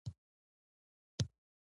موزیک ته ژبه نه پکار وي.